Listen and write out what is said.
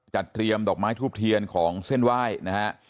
จัดเตรียมดอกไม้ทรุปเทียนของเส้นไหว้